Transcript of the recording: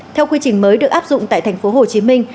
theo quy trình mới được áp dụng tại thành phố hồ chí minh